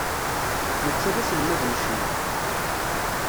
Netta d aselmad n ccna.